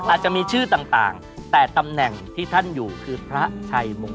อาจจะมีชื่อต่างแต่ตำแหน่งที่ท่านอยู่คือพระชัยมง